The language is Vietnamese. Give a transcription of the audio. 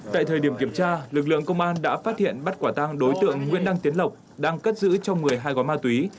tại thời điểm kiểm tra lực lượng công an đã phát hiện bắt quả tăng đối tượng nguyễn đăng tiến lộc đang cất giữ trong một mươi hai gói ma túy